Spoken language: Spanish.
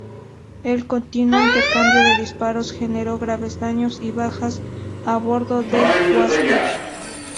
El continuo intercambio de disparos generó graves daños y bajas a bordo del "Huáscar".